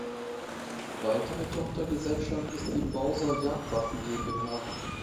Weitere Tochtergesellschaft ist die Mauser Jagdwaffen GmbH.